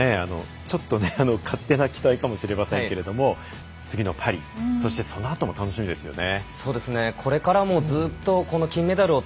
ちょっと勝手な期待かもしれませんけれども次のパリ、そしてそのあとも楽しみですよね。